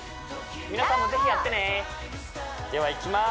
皆さんもぜひやってねではいきます